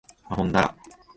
あほんだら